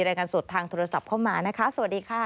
รายการสดทางโทรศัพท์เข้ามานะคะสวัสดีค่ะ